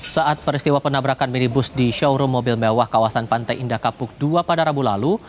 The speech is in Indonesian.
saat peristiwa penabrakan minibus di showroom mobil mewah kawasan pantai indah kapuk dua pada rabu lalu